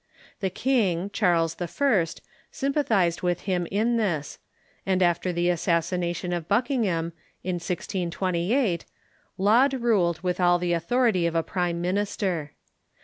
The king, Charles I., sympathized with him in this and after the assassination of Buckingham, in 1028, Laud ruled with all the authority of a prime minister.